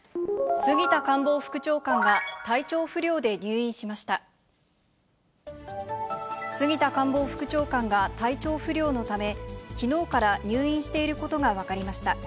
杉田官房副長官が体調不良のため、きのうから入院していることが分かりました。